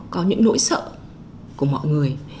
có những nỗi sợ của mọi người